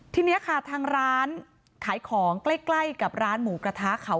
ทีนี้ค่ะทางร้านขายของใกล้กับร้านหมูกระทะเขา